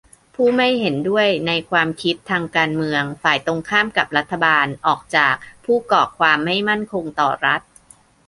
ผู้ไม่เห็นด้วยในความคิดทางการเมือง ฝ่ายตรงข้ามกับรัฐบาล ออกจาก ผู้ก่อความไม่มั่นคงต่อรัฐ